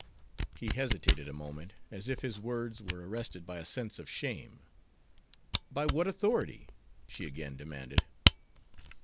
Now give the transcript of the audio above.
He hesitated a moment, as if his words were arrested by a sense of shame. "By what authority?" she again demanded.